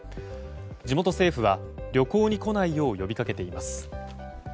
地元政府は旅行に来ないよう呼びかけています。